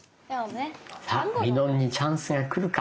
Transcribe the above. さあみのんにチャンスが来るか？